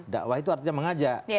dakwah itu artinya mengajak